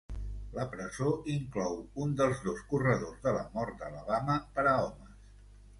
La presó inclou un dels dos corredors de la mort d'Alabama per a homes.